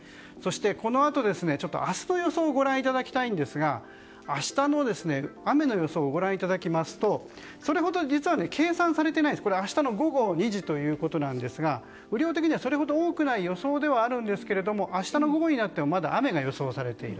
そしてこのあと、明日の予想をご覧いただきたいんですが明日の雨の予想をご覧いただきますとこれは明日の午後２時ということですが雨量的にはそれほど多くない予想ですが明日の午後になってもまだ雨が予想されている。